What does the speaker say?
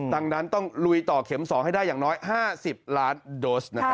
ดังนั้นต้องลุยต่อเข็ม๒ให้ได้อย่างน้อย๕๐ล้านโดสนะครับ